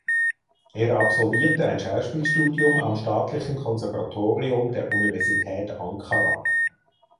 Er absolvierte ein Schauspielstudium am Staatlichen Konservatorium der Universität Ankara.